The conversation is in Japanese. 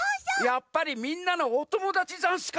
やっぱりみんなのおともだちざんすか？